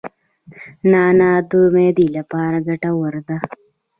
نعناع د معدې لپاره ګټوره ده